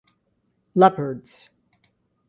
Leopards.